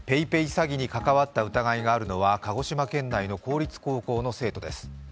詐欺に関わった疑いがあるのは鹿児島県内の公立高校の生徒です。